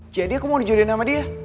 jadi aku mau di jodohin sama dia